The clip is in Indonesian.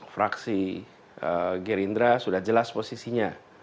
fraksi gerindra sudah jelas posisinya